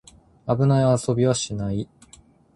危ない遊びはしない